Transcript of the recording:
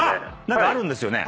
何かあるんですよね。